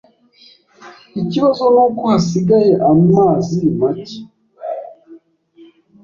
Ikibazo nuko hasigaye amazi make